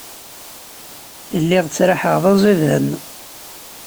Lliɣ ttraḥeɣ d aẓidan.